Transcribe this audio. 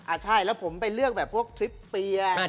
ใช่แล้วผมไปเลือกแบบพวกทริปเปียร์